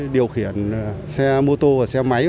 điều khiển xe mô tô xe máy